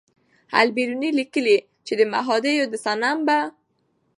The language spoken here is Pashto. البېروني لیکي چې د مهادیو د صنم په